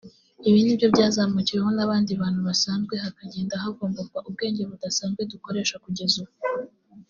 ibi nibyo byazamukiweho n’abandi bantu basanzwe hakagenda havumburwa ubwenge budasanzwe dukoresha kugeza ubu